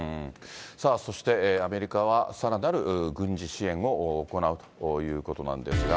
さあそして、アメリカはさらなる軍事支援を行うということなんですが。